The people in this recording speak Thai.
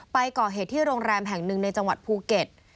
ไปก่อเหตุที่โรงแรมแห่งหนึ่งในจังหวัดภูเก็ต